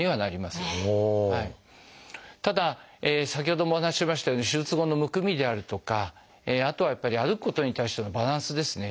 ただ先ほどもお話ししましたように手術後のむくみであるとかあとはやっぱり歩くことに対してのバランスですね。